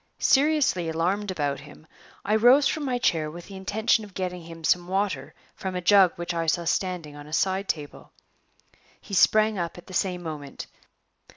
Seriously alarmed about him, I rose from my chair with the intention of getting him some water from a jug which I saw standing on a side table. He sprang up at the same moment.